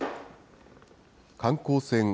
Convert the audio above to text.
観光船